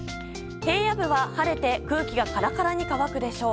平野部は晴れて空気がからからに乾くでしょう。